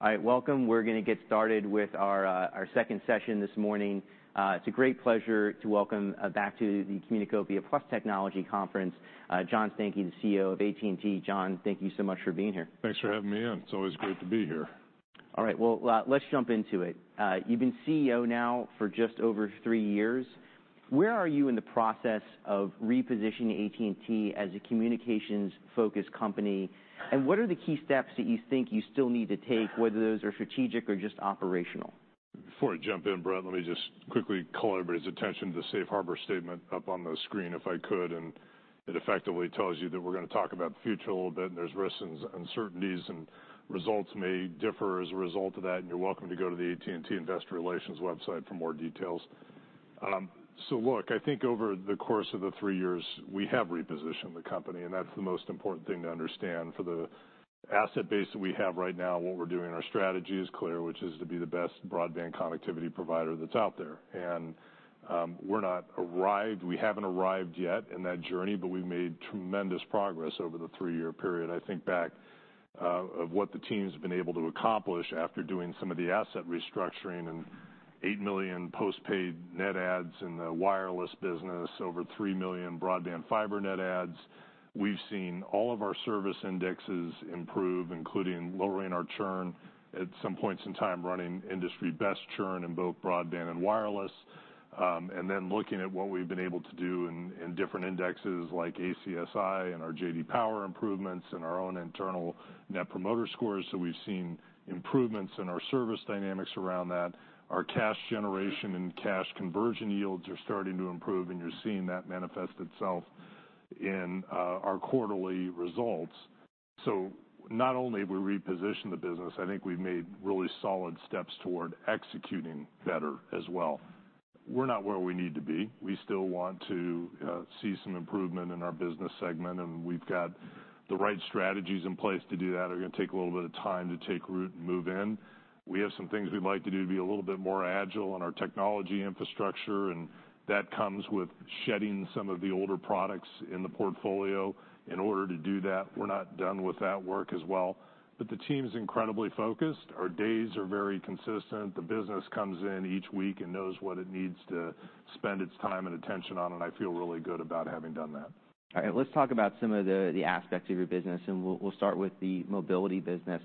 All right, welcome. We're going to get started with our, our second session this morning. It's a great pleasure to welcome back to the Communicopia + Technology Conference, John Stankey, the CEO of AT&T. John, thank you so much for being here. Thanks for having me in. It's always great to be here. All right, well, let's jump into it. You've been CEO now for just over three years. Where are you in the process of repositioning AT&T as a communications-focused company? And what are the key steps that you think you still need to take, whether those are strategic or just operational? Before I jump in, Brett, let me just quickly call everybody's attention to the Safe Harbor statement up on the screen, if I could, and it effectively tells you that we're going to talk about the future a little bit, and there's risks and uncertainties, and results may differ as a result of that, and you're welcome to go to the AT&T Investor Relations website for more details. So look, I think over the course of the three years, we have repositioned the company, and that's the most important thing to understand. For the asset base that we have right now, what we're doing, our strategy is clear, which is to be the best broadband connectivity provider that's out there. And, we're not arrived- we haven't arrived yet in that journey, but we've made tremendous progress over the three-year period. I think back of what the team's been able to accomplish after doing some of the asset restructuring and 8 million postpaid net adds in the wireless business, over 3 million broadband fiber net adds. We've seen all of our service indexes improve, including lowering our churn, at some points in time, running industry-best churn in both broadband and wireless. And then looking at what we've been able to do in different indexes like ACSI and our J.D. Power improvements and our own internal Net Promoter Scores. So we've seen improvements in our service dynamics around that. Our cash generation and cash conversion yields are starting to improve, and you're seeing that manifest itself in our quarterly results. So not only have we repositioned the business, I think we've made really solid steps toward executing better as well. We're not where we need to be. We still want to see some improvement in our business segment, and we've got the right strategies in place to do that. They're going to take a little bit of time to take root and move in. We have some things we'd like to do to be a little bit more agile in our technology infrastructure, and that comes with shedding some of the older products in the portfolio in order to do that. We're not done with that work as well, but the team is incredibly focused. Our days are very consistent. The business comes in each week and knows what it needs to spend its time and attention on, and I feel really good about having done that. All right. Let's talk about some of the aspects of your business, and we'll start with the mobility business.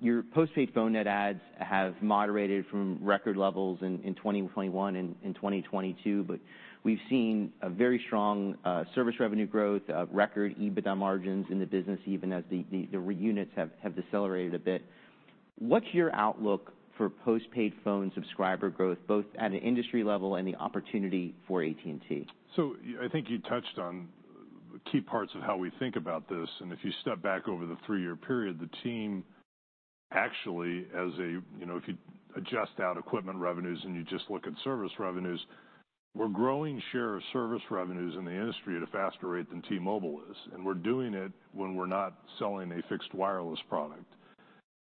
Your postpaid phone net adds have moderated from record levels in 2021 and 2022, but we've seen a very strong service revenue growth, record EBITDA margins in the business, even as the units have decelerated a bit. What's your outlook for postpaid phone subscriber growth, both at an industry level and the opportunity for AT&T? So I think you touched on key parts of how we think about this, and if you step back over the three-year period, the team actually as a, you know, if you adjust out equipment revenues and you just look at service revenues, we're growing share of service revenues in the industry at a faster rate than T-Mobile is, and we're doing it when we're not selling a fixed wireless product.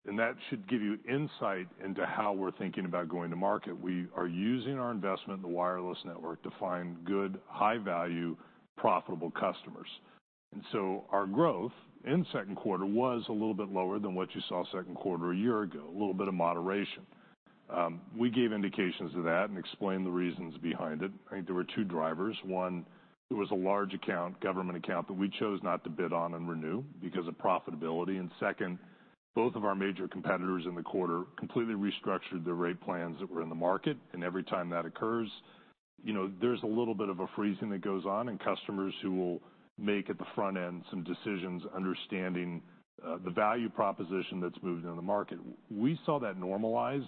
And that should give you insight into how we're thinking about going to market. We are using our investment in the wireless network to find good, high-value, profitable customers. And so our growth in second quarter was a little bit lower than what you saw second quarter a year ago, a little bit of moderation. We gave indications of that and explained the reasons behind it. I think there were two drivers. One, it was a large account, government account, that we chose not to bid on and renew because of profitability. And second, both of our major competitors in the quarter completely restructured their rate plans that were in the market, and every time that occurs, you know, there's a little bit of a freezing that goes on and customers who will make, at the front end, some decisions understanding the value proposition that's moved in the market. We saw that normalize,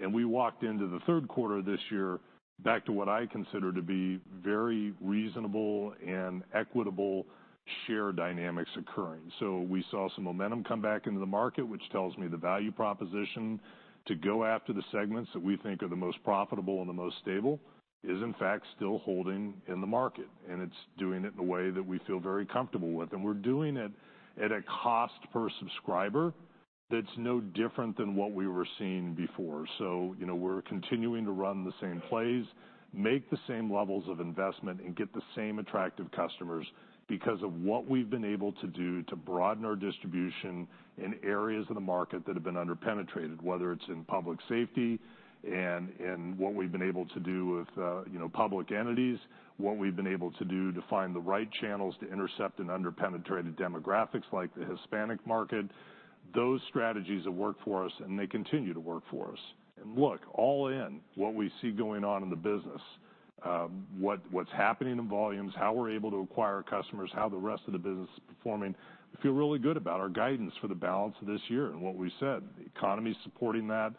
and we walked into the third quarter this year back to what I consider to be very reasonable and equitable share dynamics occurring. So we saw some momentum come back into the market, which tells me the value proposition to go after the segments that we think are the most profitable and the most stable is, in fact, still holding in the market, and it's doing it in a way that we feel very comfortable with. And we're doing it at a cost per subscriber that's no different than what we were seeing before. So, you know, we're continuing to run the same plays, make the same levels of investment, and get the same attractive customers because of what we've been able to do to broaden our distribution in areas of the market that have been under-penetrated, whether it's in public safety and what we've been able to do with, you know, public entities, what we've been able to do to find the right channels to intercept in under-penetrated demographics like the Hispanic market. Those strategies have worked for us, and they continue to work for us. And look, all in, what we see going on in the business, what's happening in volumes, how we're able to acquire customers, how the rest of the business is performing, we feel really good about our guidance for the balance of this year and what we said. The economy is supporting that.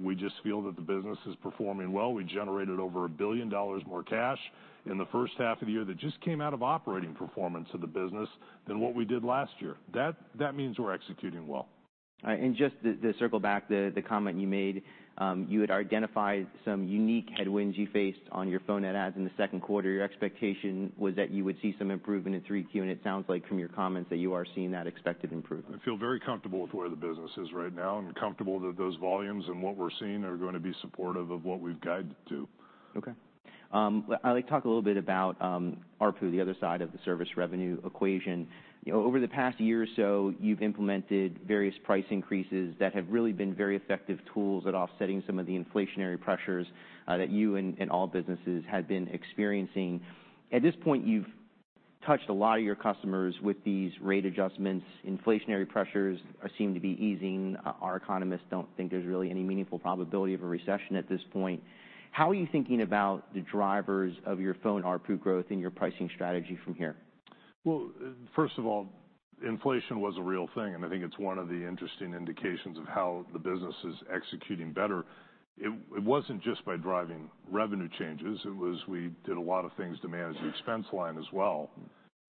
We just feel that the business is performing well. We generated over $1 billion more cash in the first half of the year that just came out of operating performance of the business than what we did last year. That means we're executing well. And just to circle back to the, the comment you made, you had identified some unique headwinds you faced on your phone net adds in the second quarter. Your expectation was that you would see some improvement in 3Q, and it sounds like from your comments, that you are seeing that expected improvement. I feel very comfortable with where the business is right now and comfortable that those volumes and what we're seeing are going to be supportive of what we've guided to. Okay... I'd like to talk a little bit about ARPU, the other side of the service revenue equation. You know, over the past year or so, you've implemented various price increases that have really been very effective tools at offsetting some of the inflationary pressures that you and all businesses have been experiencing. At this point, you've touched a lot of your customers with these rate adjustments. Inflationary pressures are seeming to be easing. Our economists don't think there's really any meaningful probability of a recession at this point. How are you thinking about the drivers of your phone ARPU growth and your pricing strategy from here? Well, first of all, inflation was a real thing, and I think it's one of the interesting indications of how the business is executing better. It, it wasn't just by driving revenue changes, it was we did a lot of things to manage the expense line as well.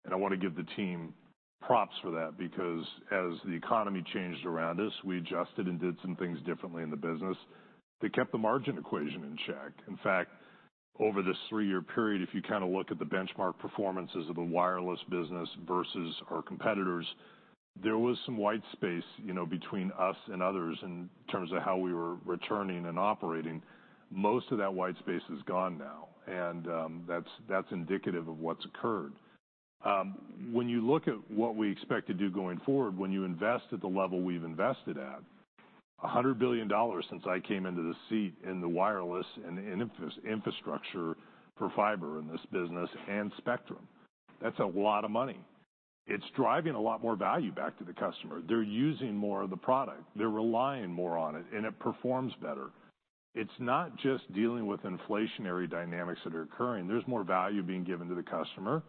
And I want to give the team props for that, because as the economy changed around us, we adjusted and did some things differently in the business that kept the margin equation in check. In fact, over this three-year period, if you kind of look at the benchmark performances of the wireless business versus our competitors, there was some white space, you know, between us and others in terms of how we were returning and operating. Most of that white space is gone now, and, that's, that's indicative of what's occurred. When you look at what we expect to do going forward, when you invest at the level we've invested at, $100 billion since I came into the seat in the wireless and infrastructure for fiber in this business and spectrum, that's a lot of money. It's driving a lot more value back to the customer. They're using more of the product, they're relying more on it, and it performs better. It's not just dealing with inflationary dynamics that are occurring, there's more value being given to the customer,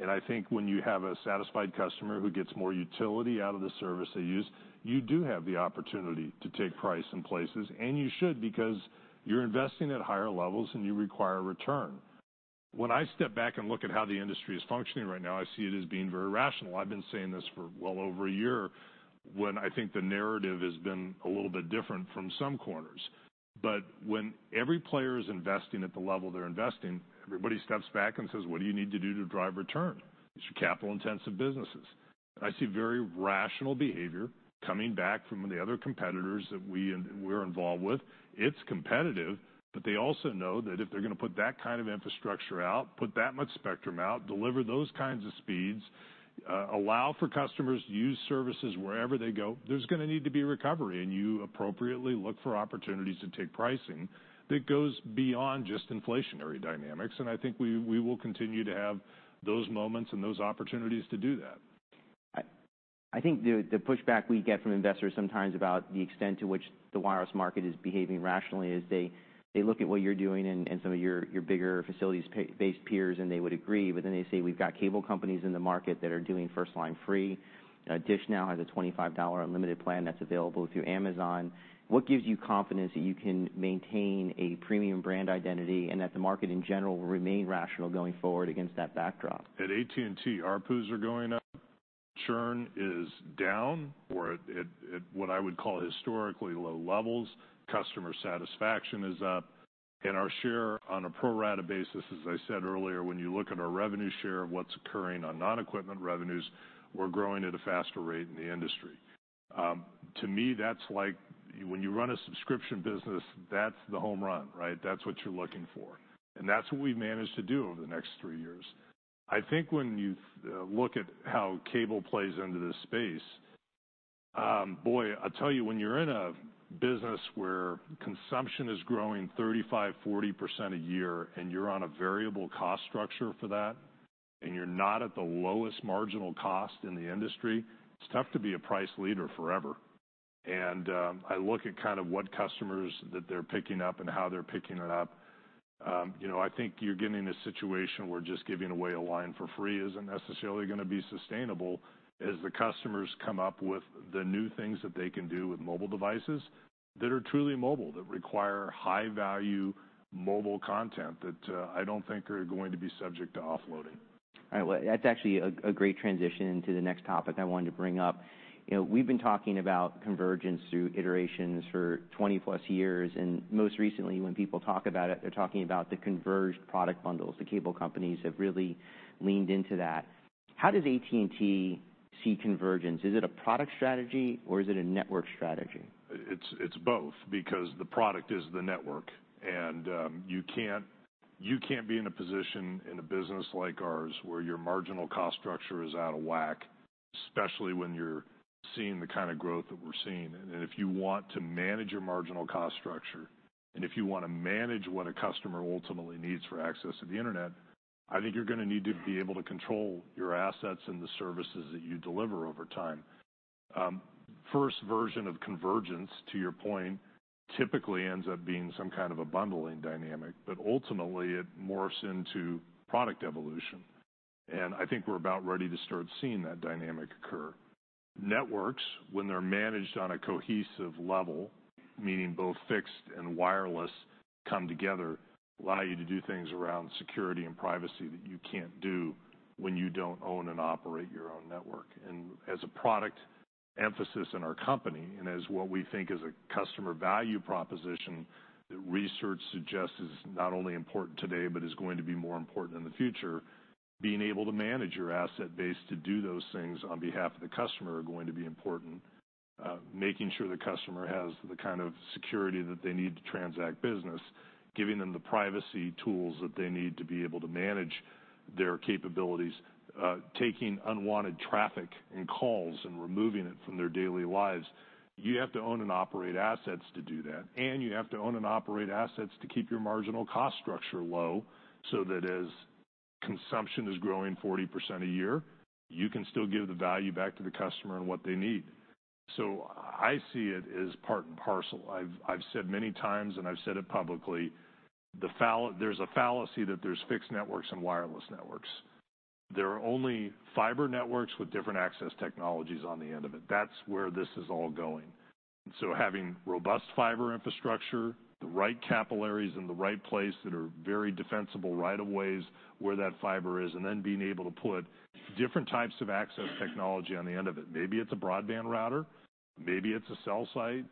and I think when you have a satisfied customer who gets more utility out of the service they use, you do have the opportunity to take price in places, and you should, because you're investing at higher levels and you require a return. When I step back and look at how the industry is functioning right now, I see it as being very rational. I've been saying this for well over a year, when I think the narrative has been a little bit different from some corners. But when every player is investing at the level they're investing, everybody steps back and says, "What do you need to do to drive return?" These are capital-intensive businesses. I see very rational behavior coming back from the other competitors that we're involved with. It's competitive, but they also know that if they're going to put that kind of infrastructure out, put that much spectrum out, deliver those kinds of speeds, allow for customers to use services wherever they go, there's going to need to be recovery, and you appropriately look for opportunities to take pricing that goes beyond just inflationary dynamics. I think we will continue to have those moments and those opportunities to do that. I think the pushback we get from investors sometimes about the extent to which the wireless market is behaving rationally is they look at what you're doing and some of your bigger facilities-based peers, and they would agree, but then they say, "We've got cable companies in the market that are doing first line free." DISH now has a $25 unlimited plan that's available through Amazon. What gives you confidence that you can maintain a premium brand identity and that the market in general will remain rational going forward against that backdrop? At AT&T, ARPUs are going up, churn is down, or at what I would call historically low levels. Customer satisfaction is up, and our share on a pro rata basis, as I said earlier, when you look at our revenue share of what's occurring on non-equipment revenues, we're growing at a faster rate in the industry. To me, that's like... When you run a subscription business, that's the home run, right? That's what you're looking for, and that's what we've managed to do over the next three years. I think when you look at how cable plays into this space, boy, I tell you, when you're in a business where consumption is growing 35%-40% a year, and you're on a variable cost structure for that, and you're not at the lowest marginal cost in the industry, it's tough to be a price leader forever. And I look at kind of what customers that they're picking up and how they're picking it up. You know, I think you're getting in a situation where just giving away a line for free isn't necessarily going to be sustainable as the customers come up with the new things that they can do with mobile devices that are truly mobile, that require high-value mobile content that I don't think are going to be subject to offloading. All right. Well, that's actually a, a great transition into the next topic I wanted to bring up. You know, we've been talking about convergence through iterations for 20-plus years, and most recently, when people talk about it, they're talking about the converged product bundles. The cable companies have really leaned into that. How does AT&T see convergence? Is it a product strategy or is it a network strategy? It's, it's both, because the product is the network, and you can't, you can't be in a position in a business like ours where your marginal cost structure is out of whack, especially when you're seeing the kind of growth that we're seeing. And if you want to manage your marginal cost structure, and if you want to manage what a customer ultimately needs for access to the internet, I think you're going to need to be able to control your assets and the services that you deliver over time. First version of convergence, to your point, typically ends up being some kind of a bundling dynamic, but ultimately it morphs into product evolution, and I think we're about ready to start seeing that dynamic occur. Networks, when they're managed on a cohesive level, meaning both fixed and wireless come together, allow you to do things around security and privacy that you can't do when you don't own and operate your own network. And as a product emphasis in our company, and as what we think is a customer value proposition, that research suggests is not only important today, but is going to be more important in the future, being able to manage your asset base to do those things on behalf of the customer are going to be important, making sure the customer has the kind of security that they need to transact business, giving them the privacy tools that they need to be able to manage their capabilities, taking unwanted traffic and calls and removing it from their daily lives. You have to own and operate assets to do that, and you have to own and operate assets to keep your marginal cost structure low, so that as consumption is growing 40% a year, you can still give the value back to the customer and what they need. So I see it as part and parcel. I've, I've said many times, and I've said it publicly, the fall-- there's a fallacy that there's fixed networks and wireless networks. There are only fiber networks with different access technologies on the end of it. That's where this is all going. So having robust fiber infrastructure, the right capillaries in the right place that are very defensible right of ways, where that fiber is, and then being able to put different types of access technology on the end of it. Maybe it's a broadband router, maybe it's a cell site,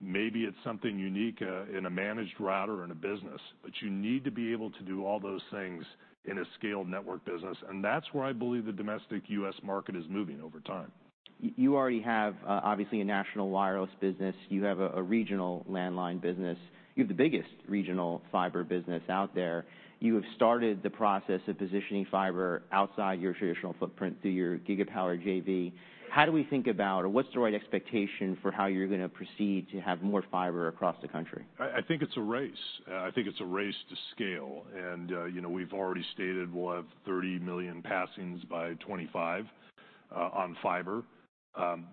maybe it's something unique, in a managed router in a business, but you need to be able to do all those things in a scaled network business, and that's where I believe the domestic U.S. market is moving over time. You already have, obviously, a national wireless business. You have a regional landline business. You have the biggest regional fiber business out there. You have started the process of positioning fiber outside your traditional footprint through your Gigapower JV. How do we think about or what's the right expectation for how you're gonna proceed to have more fiber across the country? I think it's a race. I think it's a race to scale, and, you know, we've already stated we'll have 30 million passings by 2025, on fiber.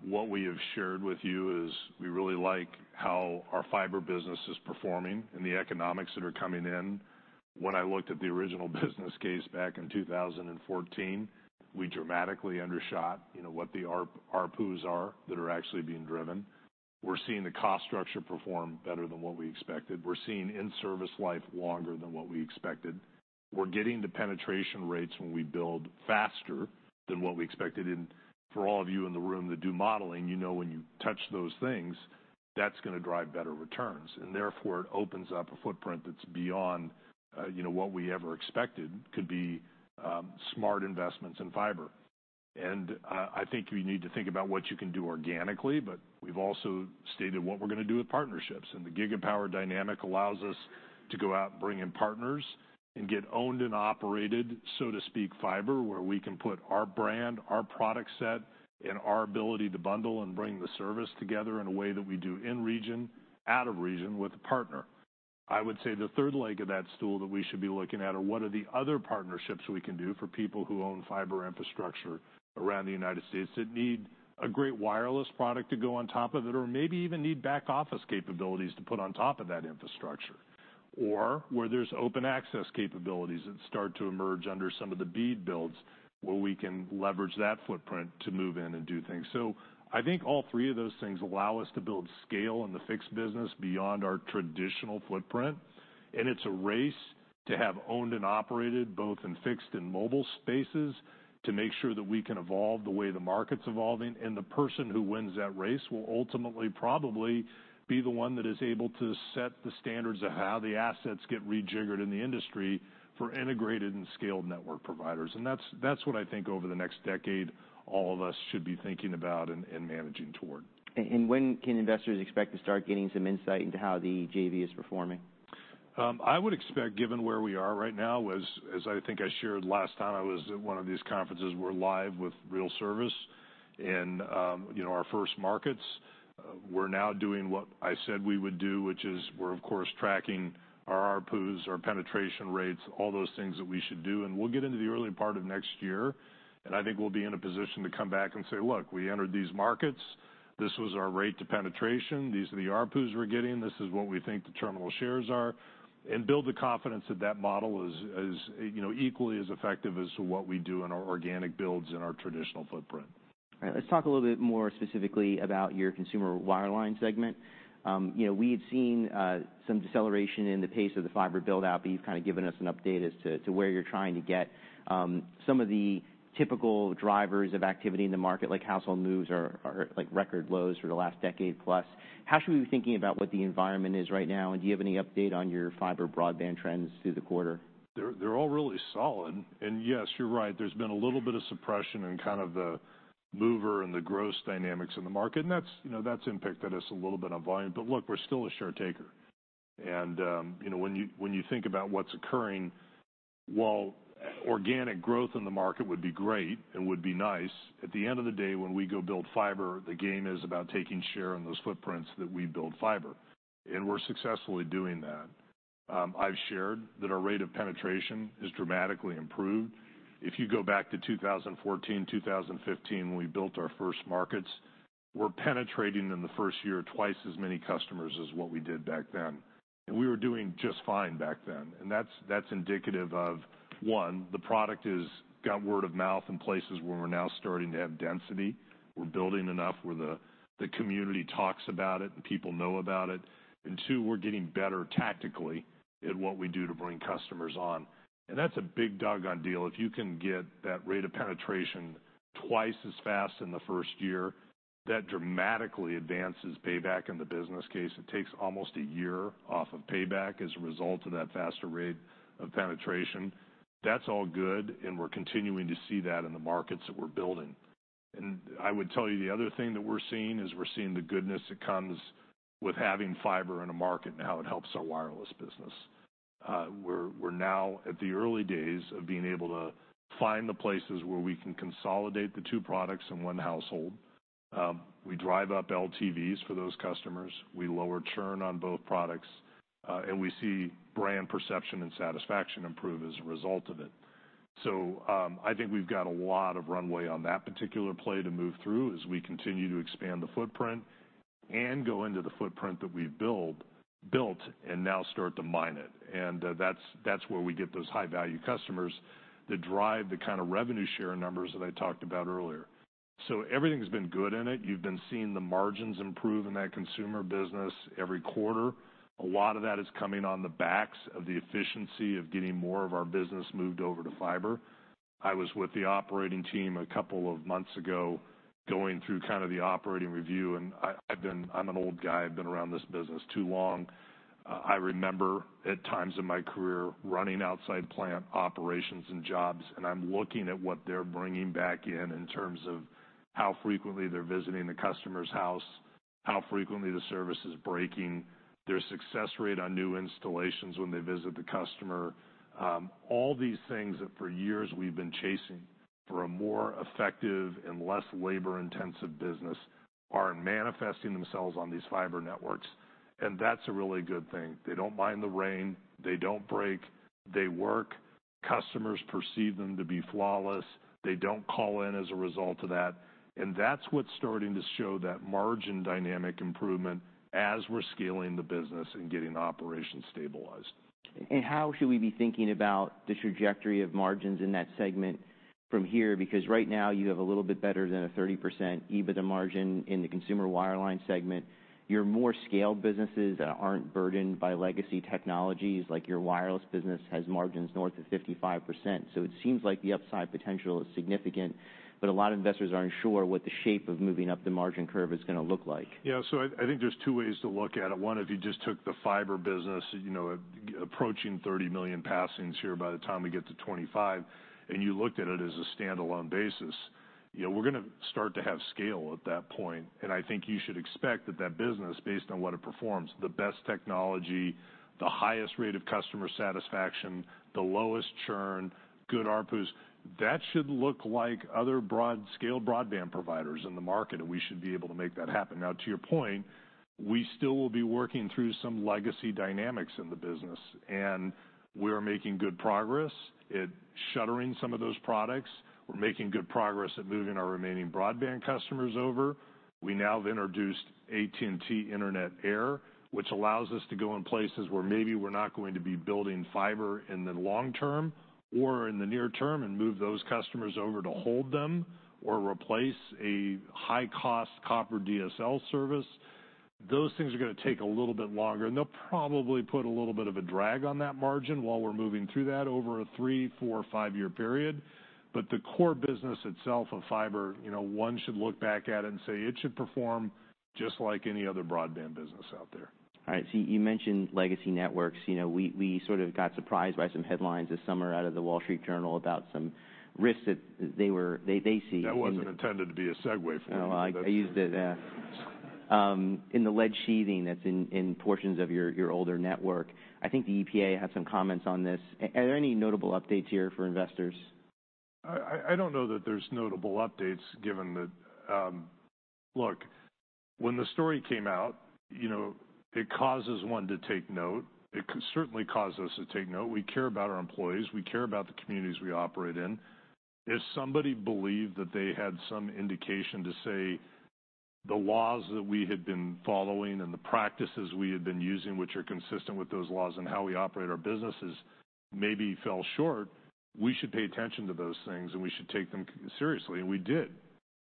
What we have shared with you is we really like how our fiber business is performing and the economics that are coming in. When I looked at the original business case back in 2014, we dramatically undershot, you know, what the ARPUs are that are actually being driven. We're seeing the cost structure perform better than what we expected. We're seeing in-service life longer than what we expected. We're getting the penetration rates when we build faster than what we expected. For all of you in the room that do modeling, you know, when you touch those things, that's gonna drive better returns, and therefore, it opens up a footprint that's beyond, you know, what we ever expected could be smart investments in fiber. And, I think we need to think about what you can do organically, but we've also stated what we're gonna do with partnerships. And the Gigapower dynamic allows us to go out and bring in partners and get owned and operated, so to speak, fiber, where we can put our brand, our product set, and our ability to bundle and bring the service together in a way that we do in region, out of region with a partner. I would say, the third leg of that stool that we should be looking at are what are the other partnerships we can do for people who own fiber infrastructure around the United States that need a great wireless product to go on top of it, or maybe even need back-office capabilities to put on top of that infrastructure? Or where there's open access capabilities that start to emerge under some of the BEAD builds, where we can leverage that footprint to move in and do things. So I think all three of those things allow us to build scale in the fixed business beyond our traditional footprint. And it's a race to have owned and operated, both in fixed and mobile spaces, to make sure that we can evolve the way the market's evolving. The person who wins that race will ultimately probably be the one that is able to set the standards of how the assets get rejiggered in the industry for integrated and scaled network providers. That's, that's what I think over the next decade, all of us should be thinking about and, and managing toward. When can investors expect to start getting some insight into how the JV is performing? I would expect, given where we are right now, as I think I shared last time I was at one of these conferences, we're live with real service in, you know, our first markets. We're now doing what I said we would do, which is we're of course, tracking our ARPUs, our penetration rates, all those things that we should do. We'll get into the early part of next year, and I think we'll be in a position to come back and say: Look, we entered these markets. This was our rate to penetration. These are the ARPUs we're getting. This is what we think the terminal shares are, and build the confidence that that model is, you know, equally as effective as what we do in our organic builds and our traditional footprint. All right. Let's talk a little bit more specifically about your consumer wireline segment. You know, we had seen some deceleration in the pace of the fiber build-out, but you've kind of given us an update as to where you're trying to get. Some of the typical drivers of activity in the market, like household moves, are like record lows for the last decade plus. How should we be thinking about what the environment is right now? And do you have any update on your fiber broadband trends through the quarter? They're all really solid. And yes, you're right, there's been a little bit of suppression in kind of the mover and the gross dynamics in the market, and that's, you know, that's impacted us a little bit on volume. But look, we're still a share taker. And you know, when you think about what's occurring, while organic growth in the market would be great and would be nice, at the end of the day, when we go build fiber, the game is about taking share in those footprints that we build fiber, and we're successfully doing that. I've shared that our rate of penetration is dramatically improved. If you go back to 2014, 2015, when we built our first markets, we're penetrating in the first year, twice as many customers as what we did back then. We were doing just fine back then. That's, that's indicative of, one, the product is got word of mouth in places where we're now starting to have density. We're building enough where the community talks about it and people know about it. Two, we're getting better tactically in what we do to bring customers on. That's a big doggone deal. If you can get that rate of penetration twice as fast in the first year, that dramatically advances payback in the business case. It takes almost a year off of payback as a result of that faster rate of penetration. That's all good, and we're continuing to see that in the markets that we're building. I would tell you the other thing that we're seeing: we're seeing the goodness that comes with having fiber in a market and how it helps our wireless business. We're now at the early days of being able to find the places where we can consolidate the two products in one household. We drive up LTVs for those customers, we lower churn on both products, and we see brand perception and satisfaction improve as a result of it. So, I think we've got a lot of runway on that particular play to move through as we continue to expand the footprint and go into the footprint that we've built and now start to mine it. That's where we get those high value customers that drive the kind of revenue share numbers that I talked about earlier. So everything's been good in it. You've been seeing the margins improve in that consumer business every quarter. A lot of that is coming on the backs of the efficiency of getting more of our business moved over to fiber. I was with the operating team a couple of months ago, going through kind of the operating review, and I, I've been, I'm an old guy, I've been around this business too long. I remember at times in my career, running outside plant operations and jobs, and I'm looking at what they're bringing back in, in terms of how frequently they're visiting the customer's house, how frequently the service is breaking, their success rate on new installations when they visit the customer. All these things that for years we've been chasing for a more effective and less labor-intensive business, are manifesting themselves on these fiber networks, and that's a really good thing. They don't mind the rain, they don't break, they work, customers perceive them to be flawless, they don't call in as a result of that. That's what's starting to show that margin dynamic improvement as we're scaling the business and getting the operation stabilized. How should we be thinking about the trajectory of margins in that segment from here? Because right now, you have a little bit better than a 30% EBITDA margin in the consumer wireline segment. Your more scaled businesses that aren't burdened by legacy technologies, like your wireless business, has margins north of 55%. So it seems like the upside potential is significant, but a lot of investors aren't sure what the shape of moving up the margin curve is gonna look like. Yeah, so I, I think there's two ways to look at it. One, if you just took the fiber business, you know, approaching 30 million passings here by the time we get to 2025, and you looked at it as a standalone basis, you know, we're gonna start to have scale at that point. And I think you should expect that, that business, based on what it performs, the best technology, the highest rate of customer satisfaction, the lowest churn, good ARPUs. That should look like other broad-scale broadband providers in the market, and we should be able to make that happen. Now, to your point, we still will be working through some legacy dynamics in the business, and we are making good progress at shuttering some of those products. We're making good progress at moving our remaining broadband customers over. We now have introduced AT&T Internet Air, which allows us to go in places where maybe we're not going to be building fiber in the long term or in the near term, and move those customers over to hold them, or replace a high-cost copper DSL service. Those things are gonna take a little bit longer, and they'll probably put a little bit of a drag on that margin while we're moving through that over a three, four, five-year period. But the core business itself of fiber, you know, one should look back at it and say: It should perform just like any other broadband business out there. All right, so you mentioned legacy networks. You know, we sort of got surprised by some headlines this summer out of The Wall Street Journal, about some risks that they see. That wasn't intended to be a segue for you. Oh, I used it, yeah. In the lead sheathing that's in portions of your older network. I think the EPA had some comments on this. Are there any notable updates here for investors? I don't know that there's notable updates given that. Look, when the story came out, you know, it causes one to take note. It certainly caused us to take note. We care about our employees, we care about the communities we operate in. If somebody believed that they had some indication to say, the laws that we had been following and the practices we had been using, which are consistent with those laws and how we operate our businesses, maybe fell short, we should pay attention to those things, and we should take them seriously, and we did,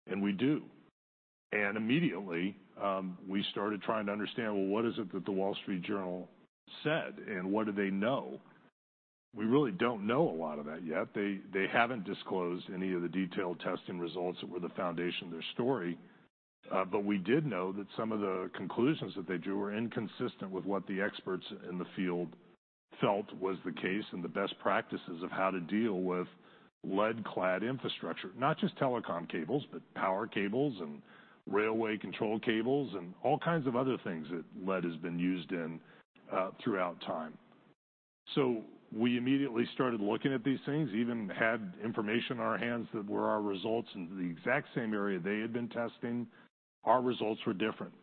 and we do. Immediately, we started trying to understand, well, what is it that The Wall Street Journal said, and what do they know? We really don't know a lot of that yet. They haven't disclosed any of the detailed testing results that were the foundation of their story. But we did know that some of the conclusions that they drew were inconsistent with what the experts in the field felt was the case, and the best practices of how to deal with lead-clad infrastructure. Not just telecom cables, but power cables and railway control cables, and all kinds of other things that lead has been used in, throughout time. So we immediately started looking at these things, even had information in our hands that were our results in the exact same area they had been testing. Our results were different,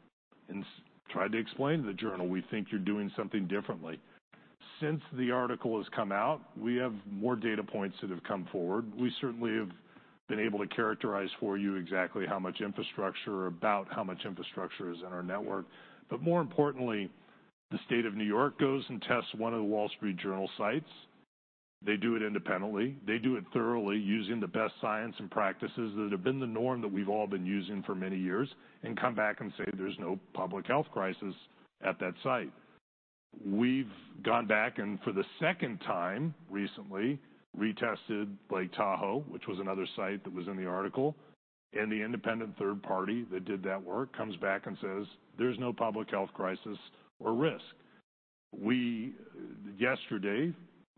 and tried to explain to the Journal, "We think you're doing something differently." Since the article has come out, we have more data points that have come forward. We certainly have been able to characterize for you exactly how much infrastructure, about how much infrastructure is in our network. But more importantly, the state of New York goes and tests one of The Wall Street Journal sites. They do it independently, they do it thoroughly using the best science and practices that have been the norm that we've all been using for many years, and come back and say, "There's no public health crisis at that site." We've gone back, and for the second time recently, retested Lake Tahoe, which was another site that was in the article, and the independent third party that did that work comes back and says: "There's no public health crisis or risk." We, yesterday,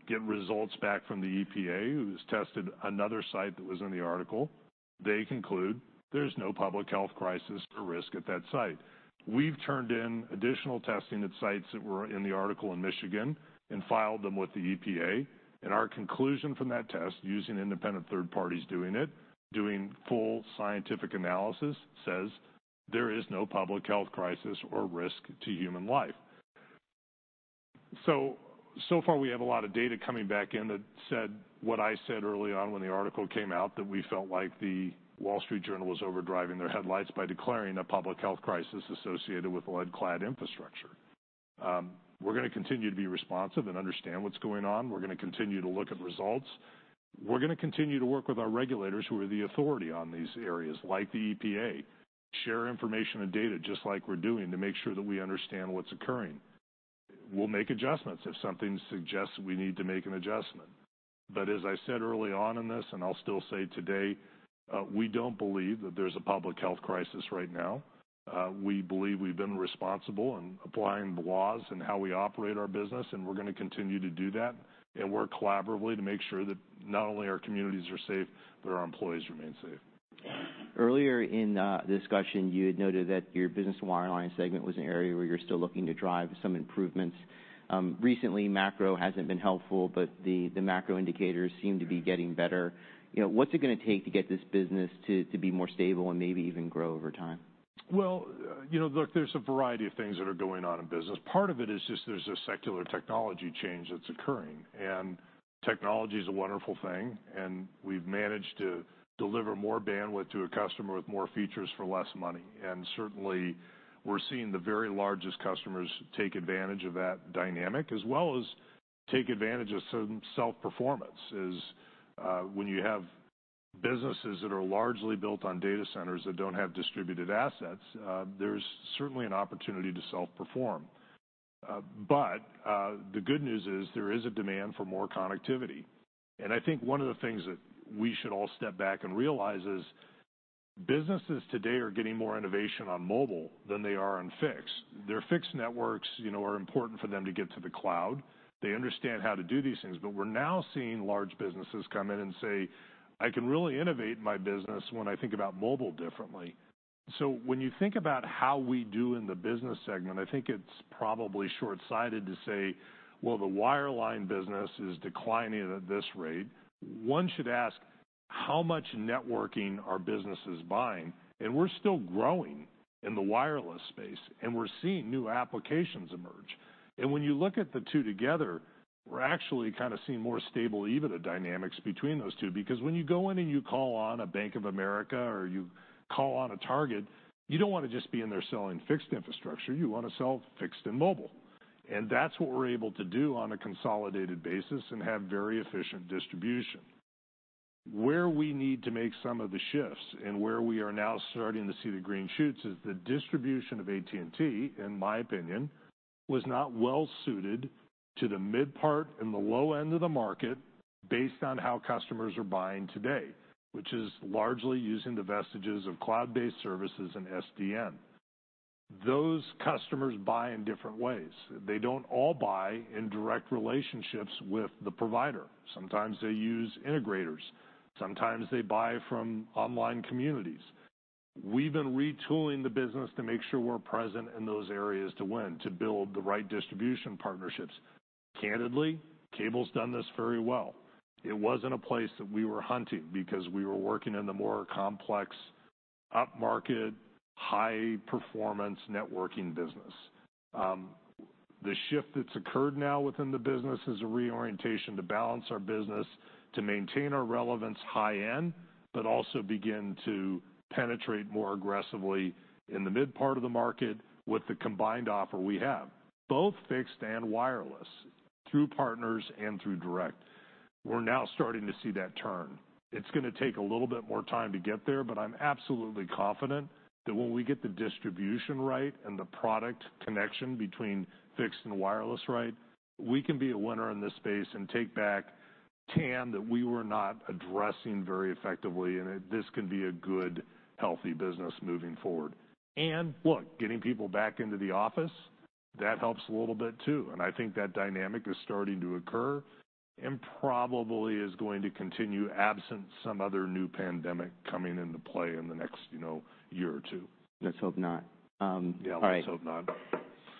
get results back from the EPA, who has tested another site that was in the article. They conclude there's no public health crisis or risk at that site. We've turned in additional testing at sites that were in the article in Michigan and filed them with the EPA, and our conclusion from that test, using independent third parties doing it, doing full scientific analysis, says there is no public health crisis or risk to human life. So, so far we have a lot of data coming back in that said, what I said early on when the article came out, that we felt like The Wall Street Journal was overdriving their headlights by declaring a public health crisis associated with lead-clad infrastructure. We're going to continue to be responsive and understand what's going on. We're going to continue to look at results. We're going to continue to work with our regulators, who are the authority on these areas, like the EPA, share information and data, just like we're doing, to make sure that we understand what's occurring. We'll make adjustments if something suggests we need to make an adjustment. But as I said early on in this, and I'll still say today, we don't believe that there's a public health crisis right now. We believe we've been responsible in applying the laws and how we operate our business, and we're going to continue to do that and work collaboratively to make sure that not only our communities are safe, but our employees remain safe. Earlier in the discussion, you had noted that your business wireline segment was an area where you're still looking to drive some improvements. Recently, macro hasn't been helpful, but the macro indicators seem to be getting better. You know, what's it going to take to get this business to be more stable and maybe even grow over time? Well, you know, look, there's a variety of things that are going on in business. Part of it is just there's a secular technology change that's occurring, and technology is a wonderful thing, and we've managed to deliver more bandwidth to a customer with more features for less money. And certainly, we're seeing the very largest customers take advantage of that dynamic, as well as take advantage of some self-performance is, when you have businesses that are largely built on data centers that don't have distributed assets, there's certainly an opportunity to self-perform. But, the good news is there is a demand for more connectivity. And I think one of the things that we should all step back and realize is, businesses today are getting more innovation on mobile than they are on fixed. Their fixed networks, you know, are important for them to get to the cloud. They understand how to do these things, but we're now seeing large businesses come in and say, "I can really innovate my business when I think about mobile differently." So when you think about how we do in the business segment, I think it's probably shortsighted to say, "Well, the wireline business is declining at this rate." One should ask, how much networking are businesses buying? And we're still growing in the wireless space, and we're seeing new applications emerge. And when you look at the two together, we're actually kind of seeing more stable, even the dynamics between those two. Because when you go in and you call on a Bank of America, or you call on a Target, you don't want to just be in there selling fixed infrastructure. You want to sell fixed and mobile. That's what we're able to do on a consolidated basis and have very efficient distribution. Where we need to make some of the shifts and where we are now starting to see the green shoots is the distribution of AT&T, in my opinion, was not well suited to the mid-part and the low end of the market based on how customers are buying today, which is largely using the vestiges of cloud-based services and SDN. Those customers buy in different ways. They don't all buy in direct relationships with the provider. Sometimes they use integrators, sometimes they buy from online communities. We've been retooling the business to make sure we're present in those areas to win, to build the right distribution partnerships. Candidly, cable's done this very well. It wasn't a place that we were hunting because we were working in the more complex, upmarket, high-performance networking business. The shift that's occurred now within the business is a reorientation to balance our business, to maintain our relevance high end, but also begin to penetrate more aggressively in the mid-part of the market with the combined offer we have, both fixed and wireless, through partners and through direct. We're now starting to see that turn. It's going to take a little bit more time to get there, but I'm absolutely confident that when we get the distribution right and the product connection between fixed and wireless right, we can be a winner in this space and take back TAM that we were not addressing very effectively, and that this can be a good, healthy business moving forward. Look, getting people back into the office, that helps a little bit, too. I think that dynamic is starting to occur and probably is going to continue, absent some other new pandemic coming into play in the next, you know, year or two. Let's hope not. All right. Yeah, let's hope not.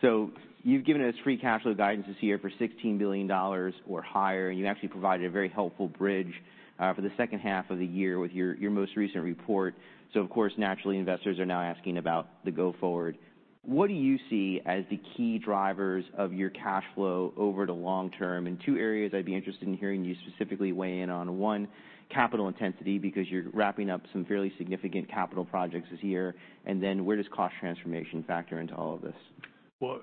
So you've given us free cash flow guidance this year for $16 billion or higher, and you actually provided a very helpful bridge for the second half of the year with your most recent report. So of course, naturally, investors are now asking about the go forward. What do you see as the key drivers of your cash flow over the long term? In two areas, I'd be interested in hearing you specifically weigh in on, one, capital intensity, because you're wrapping up some fairly significant capital projects this year, and then where does cost transformation factor into all of this? Well,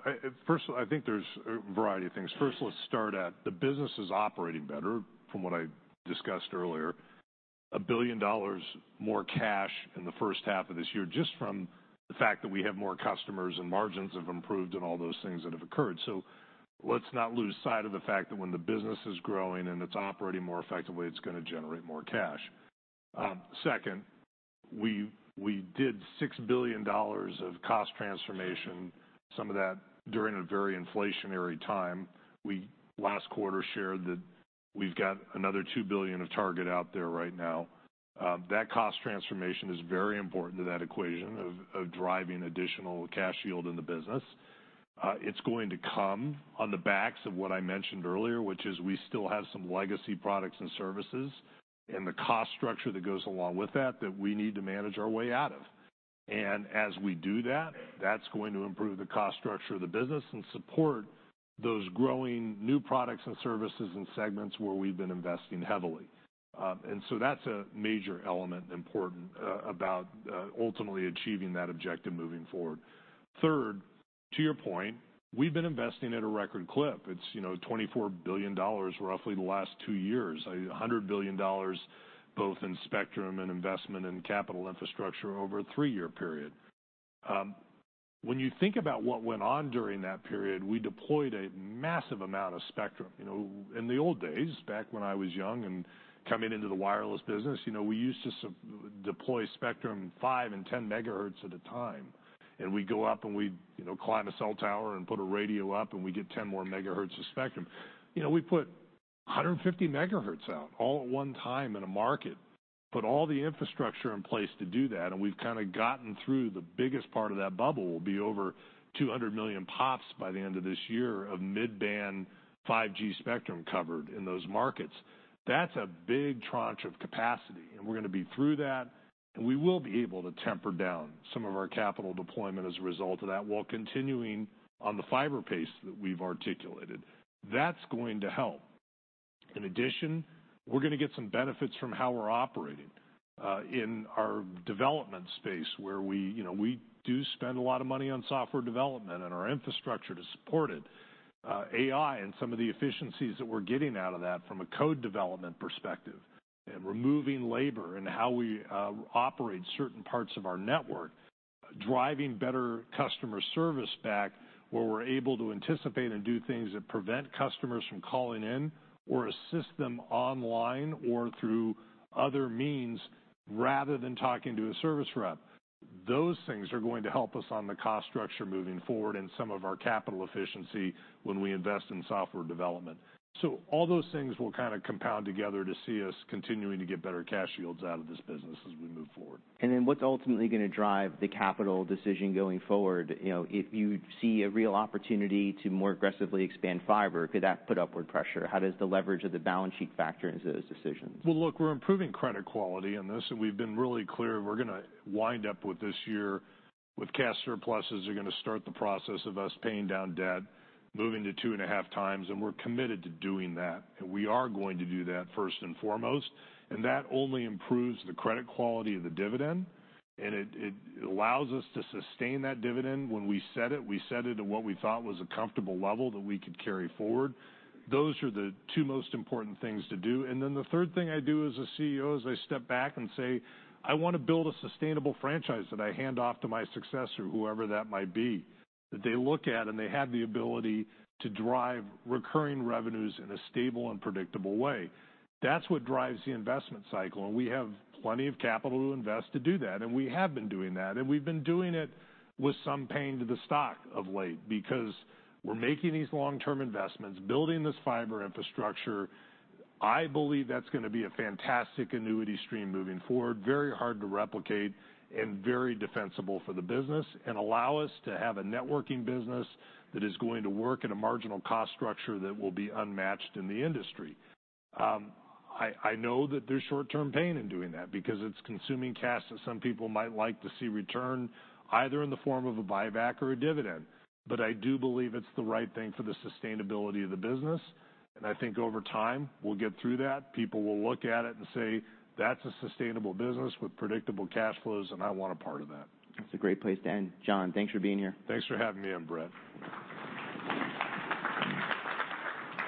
first, I think there's a variety of things. First, let's start at the business is operating better from what I discussed earlier. $1 billion more cash in the first half of this year, just from the fact that we have more customers and margins have improved and all those things that have occurred. So let's not lose sight of the fact that when the business is growing and it's operating more effectively, it's going to generate more cash. Second, we did $6 billion of cost transformation, some of that during a very inflationary time. We, last quarter, shared that we've got another $2 billion of target out there right now. That cost transformation is very important to that equation of driving additional cash yield in the business. It's going to come on the backs of what I mentioned earlier, which is we still have some legacy products and services, and the cost structure that goes along with that, that we need to manage our way out of. And as we do that, that's going to improve the cost structure of the business and support those growing new products and services and segments where we've been investing heavily. And so that's a major element important about ultimately achieving that objective moving forward. Third, to your point, we've been investing at a record clip. It's, you know, $24 billion, roughly the last two years. $100 billion, both in spectrum and investment and capital infrastructure over a three-year period. When you think about what went on during that period, we deployed a massive amount of spectrum. You know, in the old days, back when I was young and coming into the wireless business, you know, we used to deploy spectrum 5 and 10 MHz at a time, and we'd go up, and we'd, you know, climb a cell tower and put a radio up, and we'd get 10 more MHz of spectrum. You know, we put 150 MHz out, all at one time in a market. Put all the infrastructure in place to do that, and we've kinda gotten through the biggest part of that bubble. We'll be over 200 million POPs by the end of this year of mid-band 5G spectrum covered in those markets. That's a big tranche of capacity, and we're gonna be through that, and we will be able to temper down some of our capital deployment as a result of that, while continuing on the fiber pace that we've articulated. That's going to help. In addition, we're gonna get some benefits from how we're operating in our development space, where we, you know, we do spend a lot of money on software development and our infrastructure to support it. AI and some of the efficiencies that we're getting out of that from a code development perspective, and removing labor, and how we operate certain parts of our network, driving better customer service back, where we're able to anticipate and do things that prevent customers from calling in, or assist them online, or through other means, rather than talking to a service rep. Those things are going to help us on the cost structure moving forward, and some of our capital efficiency when we invest in software development. So all those things will kind of compound together to see us continuing to get better cash yields out of this business as we move forward. And then, what's ultimately gonna drive the capital decision going forward? You know, if you see a real opportunity to more aggressively expand fiber, could that put upward pressure? How does the leverage of the balance sheet factor into those decisions? Well, look, we're improving credit quality in this, and we've been really clear, we're gonna wind up with this year with cash surpluses. We're gonna start the process of us paying down debt, moving to 2.5 times, and we're committed to doing that. We are going to do that first and foremost, and that only improves the credit quality of the dividend, and it, it allows us to sustain that dividend. When we set it, we set it at what we thought was a comfortable level that we could carry forward. Those are the two most important things to do. And then the third thing I do as a CEO is I step back and say, "I want to build a sustainable franchise that I hand off to my successor, whoever that might be." That they look at, and they have the ability to drive recurring revenues in a stable and predictable way. That's what drives the investment cycle, and we have plenty of capital to invest to do that, and we have been doing that, and we've been doing it with some pain to the stock of late, because we're making these long-term investments, building this fiber infrastructure. I believe that's gonna be a fantastic annuity stream moving forward, very hard to replicate and very defensible for the business, and allow us to have a networking business that is going to work in a marginal cost structure that will be unmatched in the industry. I know that there's short-term pain in doing that because it's consuming cash that some people might like to see returned, either in the form of a buyback or a dividend. But I do believe it's the right thing for the sustainability of the business, and I think over time, we'll get through that. People will look at it and say, "That's a sustainable business with predictable cash flows, and I want a part of that. That's a great place to end. John, thanks for being here. Thanks for having me on, Brett.